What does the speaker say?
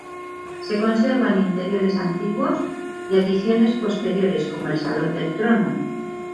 Se conservan interiores antiguos y adiciones posteriores, como el salón del trono.